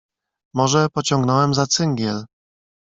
"Może pociągnąłem za cyngiel."